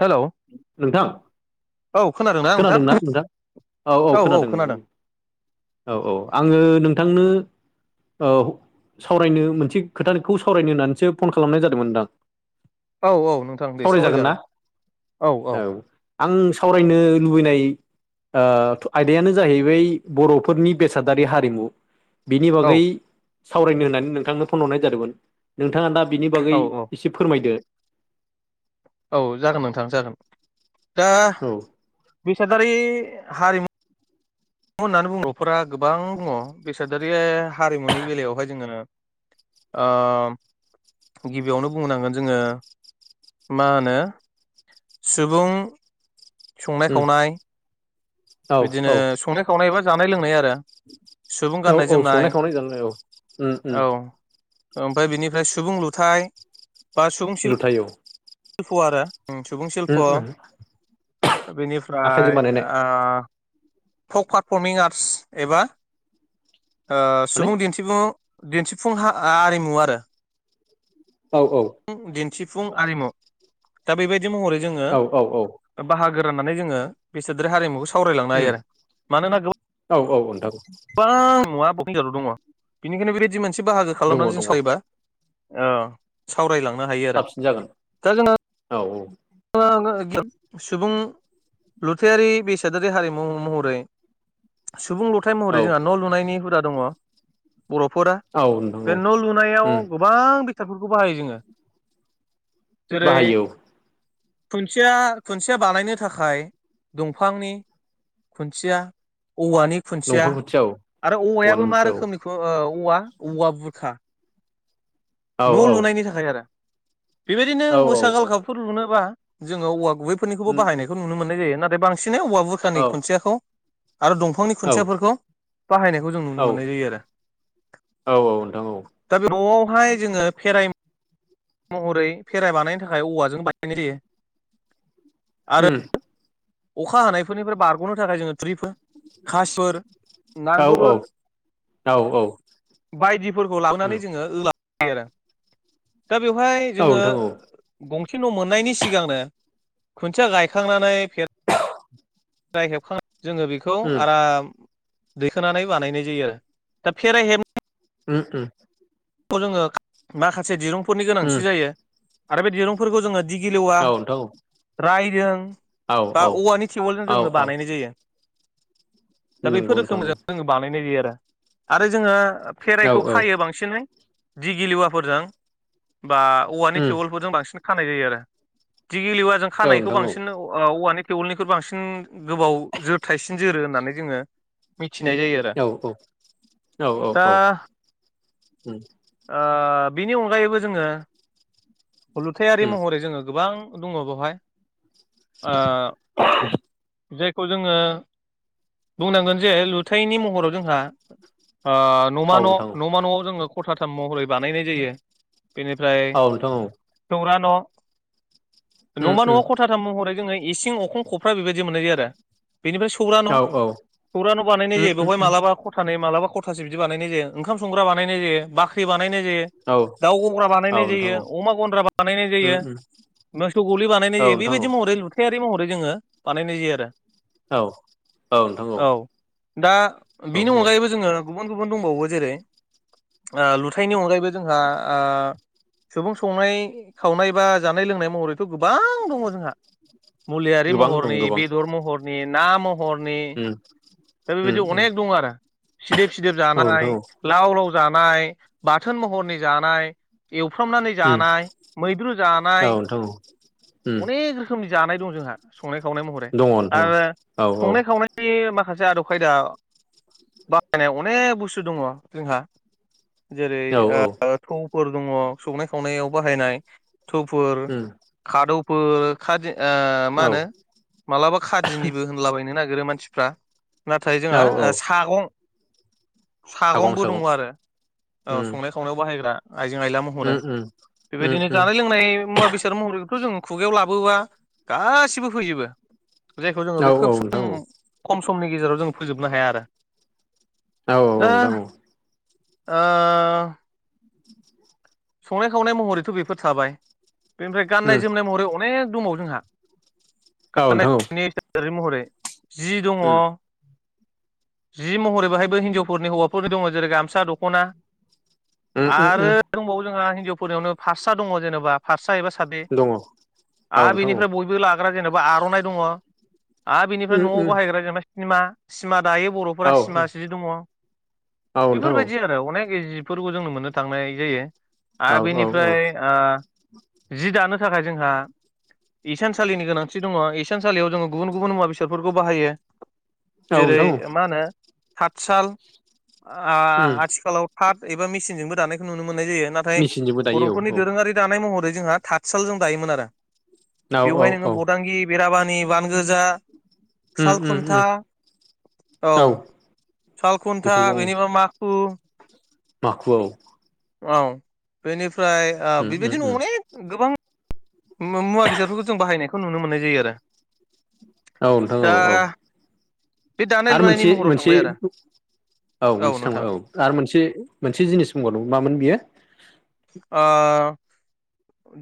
Hello नोंथां औ खोनादों ना नोंथां औ औ खोनादों औ औ आङो नोंथांनो औ सावरायनो मोनसे खोथाखौ सावरायनो होननानैसो फन खालामनाय जादोंमोन नोंथां औ औ नोंथां दे सावरायजागोन औ औ आं सावरायनो लुबैनाय ओआयदायानो जाहैबाय बर'फोरनि बेसादारि हारिमु बिनि औ बागै सावरायनो होननानै नोंथांनो फन हरनाय जादोंमोन नोंथाङा दा बिनि औ बागै औ एसे फोरमायदो औ जागोन नोंथाङा जागोन दा औ बेसादारि हारिमु होननानै बुङो‌ न'खरफोरा गोबां दङ बेसादारि हारिमुनि बेलायावहाय जोङो ओ गिबियावनो बुंनांगोन जोङो मा होनो सुबुं संनाय उम खावनाय औ बिदिनो औ संनाय खावनाय बा जानाय लोंनाय आरो सुबुं औ गाननाय औ जोमनाय संनाय खावनाय जानाय औ उम उम औ ओमफ्राय बिनिफ्राय सुबुं लुथाइ बा सुबुं थाय औ शिल्प' आरो सुबुं शिल्प' उम उम आखाइजों बेनिफ्राय बानायनाय ओ फक पारफर्मिं आर्टस एबा माने सुबुं ओ दिनथि सुबुं दिनथिफुं हा आरिमु आरो औ औ दिनथिफुं आरिमु दा बेबायदि महरै जोङो औ औ औ बाहागो राननानै जोङो बिसादारि हारिमुखौ सावरायलांनो उम हायो आरो मानोना गोबां औ औ नोंथां गोबां मुवा दङ बेनिखायनो बेबायदि मोनसे बाहागो दङ खालामनानै दङ जों सावरायोबा अ सावरायलां साबसिन जागोन औ औ सुबुं लुथायारि बेसादारि हारिमु महरै सुबुं लुथाय औ महरै जोंहा न' लुनायनि हुदा दङ बर'फोरा औ नोंथां औ बे न' लुनायाव उम गोबां बेसादफोरखौ बाहायो जोङो जेरै बाहायो औ खुन्थिया खुन्थिया बानायनो थाखाय दंफांनि खुन्थिया औवानि खुन्थिया दंफां गुथिया औ आरो औवानि औवायाबो मा गुथिया औ रोखोमनि औवा औवा बुरखा न' औ लुनायनि थाखाय आरो बेबायदिनो औ औ मोसा औ गालखाबफोर लुनोबा जोङो औवा गुबै फोरनिखौबो उम बाहायनायखौ नुनो मोननाय जायो नाथाय बांसिनै औवा औ बुरखानि खुनथियाखौ आरो दंफांनि औ खुन्थियाफोरखौ बाहायनायखौ जों नुनो औ मोननाय जायो आरो औ औ नोंथां औ दा बे न'आवहाय फेराय महरै भेराइ बानायनो थाखाय औवाजों बानायनाय जायो आरो उम अखा हानायफोरनिफ्राय बारग'नो थाखाय जोङो थुरिफोर औ [unintelligible] औ औ बायदिफोरखौ उम लाबोनानै जोङो लायो आरो दा बेवहाय औ जोङो नोंथां औ गंसे न' मोननायनि सिगांनो खुन्थिया गायखांनानै फे फेराइ हेबखांनानै जोङो बेखौ उम आराम दैखांनानै बानायनाय जायो आरो दा फेराइ हेब उ उ खौ जोङो माखासे दिरुंफोरनि उम गोनांथि जायो आरो बे दिरुंफोरखौ जोङो दिगि लेवा औ नोंथां रायदों औ बा औ औवानि थेवोलजों औ जोङो औ बानायनाय जायो दा बेफोर नंगौ नोंथां रोखोमजों जोङो बानायनाय जायो आरो आरो जोङो औ फेराइखौ औ खायो बांसिनै दिगि लेवाफोरजों बा औवानि उम थेवोलफोरजों बांसिन खानाय जायो आरो दिगिलेवा जों औ खानायखौ नोंथां औ बांसिन औवानि थेवोलनिखौ बांसिन गोबाव जोरथाइसिन जोरो होननानै जोङो मिथिनाय जायो आरो औ दा उ बिनि अनगायैबो जोङो हलुथायारि उम महरै जोङो गोबां दङ बेवहाय जायखौ जोङो बुंनांगोन जे लुथायनि महराव जोंहा न'मा औ न' नोंथां न'मा न'आव जोङो खथाथाम महरै बानायनाय जायो बेनिफ्राय औ नोंथां औ सौरा न' उम न'मा उम न'आव खथा थाम महरै जोङो इसिं अखं खफ्रा बेबायदि मोननाय जायो आरो बेनिफ्राय सौरा औ न' सौर्रा न' बानायनाय उम जायो उम बेवहाय उम मालाबा सानै मालाबा खथासे बिदि बानायनाय जायो ओंखाम संग्रा बानायनाय जायो ख्रि बानायनाय जायो औ दाउ गंग्रा बानायनाय औ नोंथां जायो औ अमा गन्द्रा बानायनाय उम जायो उम मोसौ गलि बानायनाय औ जायो नोंथां औ बेबायदि महरै लुथायारि महरै जोङो बानायनाय जायो आरो औ औ नोंथां औ दा औ बिनि औ अनगायैबो जोंङो गुबुन गुबुन दंबावो जेरै लुथाइनि अनगायैबो जोंहा सुबुं संनाय खावनाय बा जानाय लोंनाय महरैथ' गोबां दङ जोंहा मुलियारि गोबां महरनि दं गोबां बेदर महरनि ना महरनि [inaudible] दा बेबायदि उम अनेक दं आरो सिदोब सिदोब औ नोंथां जानाय औ लाव लाव जानाय बाथोन महरनि जानाय एवफ्रामनानै उम जानाय मैद्रु औ जानाय नोंथां औ उम अनेख रो खोमनि जानाय दं जोंहा संनाय खावनाय महरै दङ नोंथां आरो औ औ संनाय खावनाय नि माखासे आदब खायदा बाहायनाय अनेक बुस्थु दङ जोंहा। जेरै औ औ ओ थौफोर दङ संनाय खावनायाव बाहायनाय थौफोर उम खादौफोर खादि ओ मा औ होनो मालाबा खादिनिबो होनलाबायनो नागिरो मानसिफ्रा। नाथाय औ जोंहा औ सागं सागं सागंबो दङ सागं आरो औ उम संनाय खावनायाव बाहायग्रा आइजें आइला महरै उम उम उम बेबायदिनो उम जानाय लोंनाय मुवा बेसाद महरै जों खुगायाव लाबोबा गासिबो फैजोबो जायखौ जोङो औ बे औ खोब सम नोंथां औ खम समनि गेजेराव जों फोजोबनो हाया आरो औ औ दा नोंथां औ ओ [inaudible] संनाय खावनाय महरैथ' बेफोर थाबाय बेनिफ्राय उम गाननाय जोमनाय महरै अनेख दंबावो जोंहा औ नोंथां औ जेरै महरै जि दङ। उम जि महरै बोहायबो हिनजावफोरनि हौवाफोरनि दङ जेरै गामसा दखना उम उम आरो उम दंबावो जोंहा हिनजावफोरनियावनो फारसा दङ जेनबा फारसा एबा फालि दङ औ आरो नोंथां औ बेनिफ्राय बयबो ला ग्रा जेनबा आर'नाइ दङ आरो बिनिफ्राय उम न'वाव उम बाहायग्रा जेनेबा सिमा सिमा दायो बर' बर'फोरा औ सिमा जि दङ। औ नोंथां औ बेफोरबायदि आरो अनेक जिफोरखौ जोंनो मोननो थांनाय जायो। औ आरो औ बिनिफ्राय ओ जि दानो थाखाय जोंहा इसानसालिनि गोनांथि दङ इसानसालियाव जोङो गुबुन गुबुन मुवा बेसादफोरखौ बाहायो। औ जेरै नोंथां औ मा होनो थतसाल ओ उम आथिखालाव पाट एबा मेसिनजोंबो दानायखौ नुनो मोननाय जायो नाथाय मेचिनजोंबो दायो बर'फोरनि औ दोरोङारि दानाय महरै जोहा थातसाल दायोमोन आरो औ औ बेयावहाय नोङो औ औ बदांगि। बेराबानि बान गोजा उम साल उम उम खुन्था औ सालखुन्था बेनिफ्राय माखु माखुवाव औ बेनिफ्राय ओ उम उम बेबायदिनो उम अनेक गोबां मुवा बेसादफोरखौ जों बाहायनायखौ नुनो मोननाय जायो आरोऋ औ नोंथां औ औ। बे दानाय आरो लुनायनि मोनसे महराव मोनसे थांबाय आरो औ मोनसे थांबाय औ आरो मोनसे मोनसे जिनिस बुंगावदोंमोन मामोन बियो ओ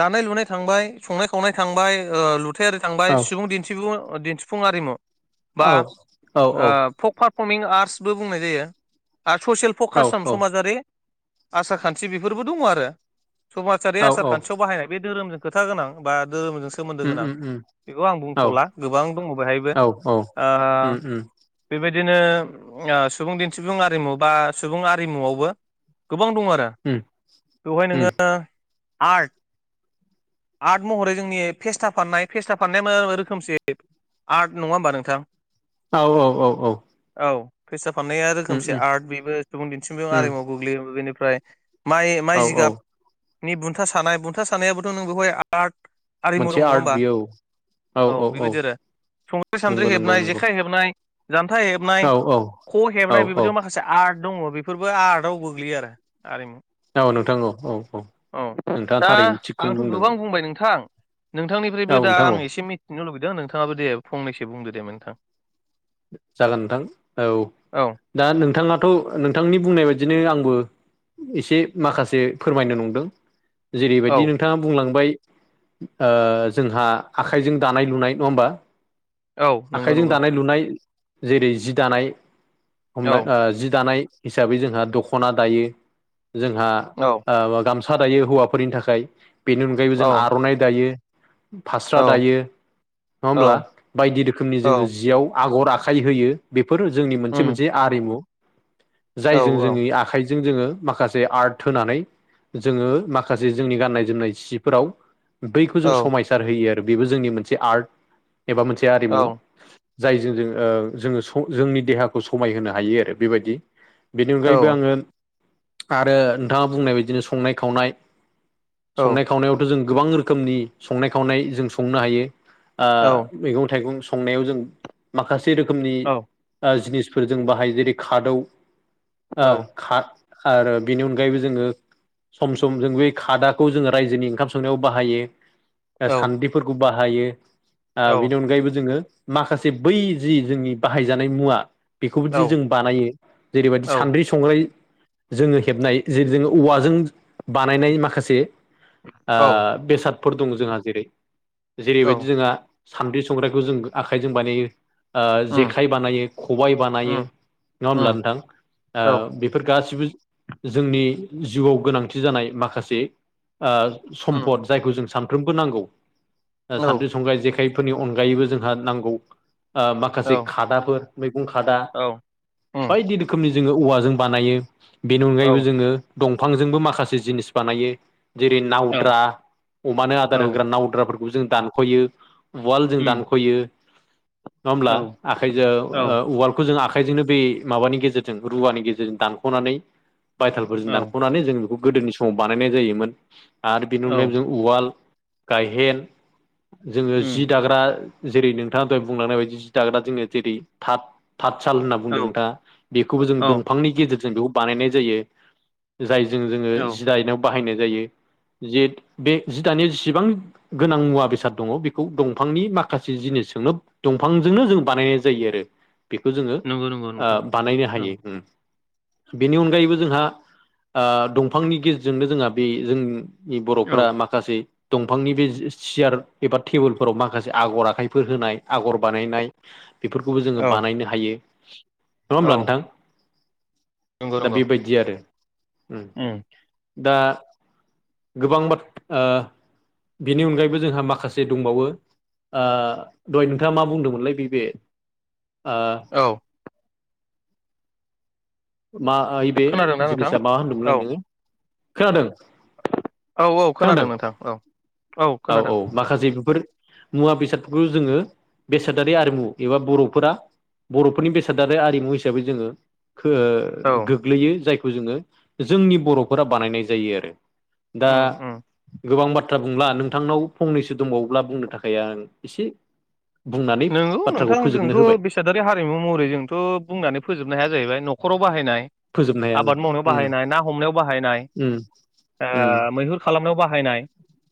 दानाय लुनाय थांबाय संनाय खावनाय थांबाय ओ लुथेर थांबाय औ सुबुं दिन्थिफु दिन्थिफुं आरिमु बा औ औ ओ पारफर्मिं आर्टसबो बुंनाय जायो आरो ससियेल औ फकास सम समाजारि आसार खान्थि बेफोरबो दङ आरो समाजारि औ आसार औ खान्थियाव बाहायनाय बे धोरोमजों खोथा गोनां बा धोरोमजों सोमोन्दो उम गोनां उम उम बेखौ आं औ बुंथ'ला गोबां दङ बेहायबो औ औ ओ उम उम बेबायदिनो सुबुं दिन्थिफुं आरिमु बा सुबुं आरिमुआवबो गोबां दं आरो। उम बेवहाय नोङो आर्ट आर्ट महरै जोंनि फेस्ता फाननाय फेस्ताननाया मो रोखोमसे आर्ट नङा ओमबा नोंथां? औ औ औ औ औ फैसा फाननाया उम रोखोमसे उम आर्ट बेबो सुबुं दिन्थिबो उम आरिमाव गोग्लैयो बेनिफ्राय। माइ औ माइ औ जिगाबनि बुन्था सानाय बुन्था सानायाबोथ' नोंगौहाय आर्ट आरिमु दं मोनसे नङा आर्ट होमबा बियो औ। औ बेबायदि आरो संद्रि नंगौ सानद्रि नंगौ हेबनाय नंगौ जेखाइ हेबनाय जान्था हेबनाय औ औौ ख औ हेबनाय औ बेबदियाव माखासे आर्ट दंङो बेफोरबो आर्टआव गोग्लैयो आरो आरिमु औ नोंथां औ औ औ औ नोंथाङा दा थारैनो आंथ' थिगखौनो बुंदों गोबां बुंबाय नोंथां नोंथांनिफ्रायबो औ दा नोंथां औ आं एसे मिथि थथिनो लुबैदों नोंथांङाबो दे फंनैसो बुंदो दे नोंथां जागोन नोंथां औ औ दा नोंथांङाथ' नोंथांनि बुंनाय बायदिनो आंबो एसे माखासे फोरमायनो नंदों औ जेरैबायदि नोंथांङा बुंलांबाय जोंहा आखाइजों दानाय लुनाय नङा होमबा औ नंगौ आखाइजों नंगौ दानाय लुनाय जेरै जि दानाय औ हमनाय जि दानाय हिसाबै जोंहा दखना दायो जोंहा औ गामसा फसा दायो हौवाफोरनि थाखाय बेनि अनगायैबो औ जों आर'नाइ दायो। फास्रा औ दायो नंङा औ होमब्ला बायदि रोखनि जोंङो औ जियाव आगर आखाइ होयो बेफोरो जोंनि मोनसे उम मोनसे आरिमु औ जायजों जोंनि आखाइजों जोंङो माखासे आर्ट होनानै जोंङो माखासे जोंनि गाननाय जोमनाय सिफोराव बैखौ जों औ समायसार होयो आरो बेबो जोंनि मोनसे आर्ट एबा मोनसे औ आरिमु जायजों जों जोंङो जोंनि देहाखौ समायहोनो हायो आरो बेबायदि बेनि अनगायैबो आंङो आरो नोंथांङा बुंनाय बायदिनो संनाय खावनाय औ संनाय खावनायावथ' जों गोबां रोखोमनि संनाय खावनाय जों संनो हायो औ मैगं थाइगं संनायाव जों माखासे रोखोमनि औ जिनिस फोर जों बाहायो जेरै खादौ औ आरो बेनि अनगायैबो जोंङो सम सम जों बे खादाखौ जोङो रायजोनि ओंखाम संनायाव बाहायो औ सान्द्रिफोरखौ बाहायो औ बिनि अनगायैबो जोंङो माखासे बै जि जोंनि बाहायजानाय मुवा बेखौदि औ जों बानायो जेरैबायदि औ सानद्रि संग्राइ जोंङो हेबनाय जेरै जोंङो औवाजों बानायनाय माखासे औ बेसादफोर दं जोंहा जेरै जेरैबायदि औ जोंहा सान्द्रि संग्रायखौ जों आखाइजों बानायो उम जेखाइ बानायो खबाइ बानायो उम नंङा होमब्ला उम नोंथां औ ओ बेफोर गासिबो जोंनि जिउआव गोनांथि जानाय माखासे उम सम्पद जायखौ जों सानफ्रोमबो नांगौ औ संगाइ जेखायफोरनि अनगायैबो जोंहा नांगौ औ माखासे खादाफोर मैगं खादा औ उम बायदि रोखोमनि जोंङो औवाजों बानायो बेनि अनगायैबो औ जोंङो दंफांजोंबो माखासे जिनिस बानायो जेरै औ नावद्रा अमानो आदार होग्रा नावद्राफोरखौबो जों दानख'यो उवाल जों उम दानख'यो नंङा औ होमब्ला आखाइजों औ उवाल बे खौ जों आखाइजोंनो बे माबानि गेजेरजों रुवानि गेजेरजों दानख'नानै बायथालफोरजों औ दानख'नानै जों बेखौ गोदोनि समाव बानायनाय जायोमोन आरो बेनि अनगायबो जों उवाल गायहेन जोङो उम जि दाग्रा जेरै नों नोंथांनि थाखाय बुंलांनाय बायदि जि दाग्रा जोंङो जेरै थाट तासाल होनना औ बुंदों नोंथा बेखौबो जों औ दंफांनि गेजेरजों बेखौ बानायनाय जायो। जायजों जोङो जि दायनाव बाहायनाय जायो जे बे जि दानिाव जेसेबां गोनां मुवा बेसाद दंङो बेखौ दंफांनि माखासे जिनिस जोंनो दंफांजोंनो जों बानायनाय जायो आरो बेखौ जोंङो नंगौ नंगौ नोंथां बानायनो औ हायो। बेनि अनगायैबो जोंहा दंफांनि गेजेरजोंनो जोंहा बे जों औ बर'फोरा माखासे दंफांनि बे सियार एबा टेबोल फोराव माखासे आगर आखाइ फोर होनाय आगर बानायनाय बेफोरखौबो औ जोङो बानायनो हायो। नंङा औ होमब्ला नोंथां दा बेबायदि आरो ओम दा गोबां बाथ्रा ओ बिनि अनगायैबो जोंहा माखासे दंबावो ओ दहाय नोंथाङा मा बुंदोंमोनलाय बैबे ओ औ [unintelligible] बे खोनादोंना नोंथां जिनिसा मा औ होनदोंमोनलायदोंनो खोनादों? औ औ खोनादों नोंथां औ औ औ औ खोनादों। माखासे बेफोर मुवा-बेसादफोरखौ जोङो बेसादारि आरिमु एबा बर'फोरा बर'फोरनि बेसाद आरो आरिमु हिसाबै जोङो खो औ गोग्लैयो जायखौ जोङो जोंनि बर'फोरा बानायनाय जायो आरो। दा उम उम गोबां बाथ्रा बुंला नोंथांनाव फंनैसो दंबावोब्ला बुंनो थाखाय आं एसे बुंनानै नोंगौ बाथ्राखौ नोंथां फोजोबनो जोंथ' बेसे होबाय बेसादारि हारिमु महरै जोंथ' बुंनानै फोजोबनो हाया जाहैबाय न'खराव बाहायनाय फोजोबनो हाया आं आबाद मावनायाव उम बाहायनाय ना हमनायाव बाहायनाय उम उम ओ मैहुर खालामनायाव बाहायनाय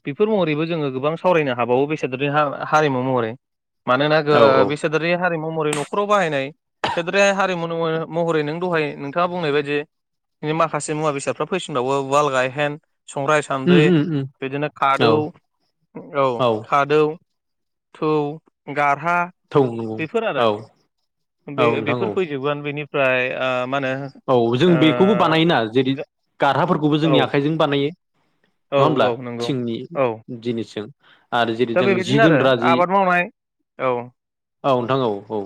बेफोर महरैबो जोङो गोबां सावरायनो हाबावो बेसादोरानि हा- हारिमु महरै मानोना गो औ बेसादारि हारिमु महरै न'खराव बाहायनाय सोदारि हारिमु महरै नों दहाय नोंथाङा बुंनाय बायदि बि माखासे मुवा- बेसादफ्रा फैसिनबावो उवाल, गायहेन, संग्राइ, सान्द्रि उम उम उम ओमफ्राय बिदिनो औ खादौ औ खादौ थु गारहा थौ नंगौ बेफोर आरो औ औ बे ओ नोंथां बेफोर औ फैजोबगोन बेनि फ्राय ओ मा होनो औ जों बेखौबो बानायोना जेरै गारहाफोरखौबो ओ औ जोंनि आखाइजों बानायो। औ नङा होमब्ला नंगौ थिंनि औ जिनिसजों आरो जेरै दा जों जि बेबायदिनो आरो दोनग्रा जि आबाद मावनाय औ औ नोंथां औ औ।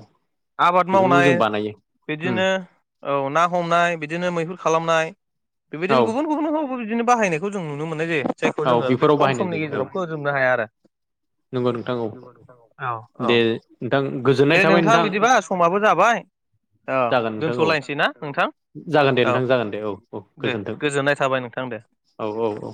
आबाद बेफोरखौ मावनाय जों बानायो उम बिदिनो औ ना हमनाय बिदिनो मैहुर खालामनाय औ बेबायदिनो गुबुन गुबुन न बिदिनो बाहायनायखौ जों नुनो मोननाय जायो जायखौ औ जोङो बे बेफोराव खम बाहायनाय समनि जायो औ गेजेराव फोजोबनो हाया आरो। नंगौ नोंथां औ [unintelligible] औ दे औ। नोंथां गोजोननाय दे थाबाय नोंथां बिदिबा समाबो जाबाय औ जागोन नोंथां औ दोनथ'लायसै ना नोंथां। जागोन दे औ नोंथां जागोन दे औ औ दे गोजोन्थों गोजोननाय थाबाय नोंथां दे। औ औ औ।